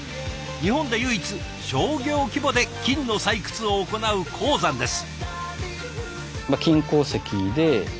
日本で唯一商業規模で金の採掘を行う鉱山です。